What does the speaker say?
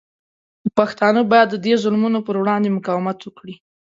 پښتانه باید د دې ظلمونو پر وړاندې مقاومت وکړي.